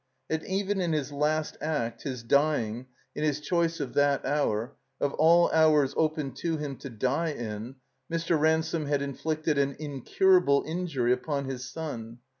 And even in his last act, his dying, in his choice of that hour, of all hours open to him to die in, Mr. Ransome had inflicted an incurable injury upon his son.